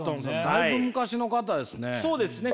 だいぶ昔の方ですね。